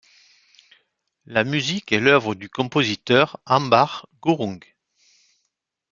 La musique est l'œuvre du compositeur Ambar Gurung.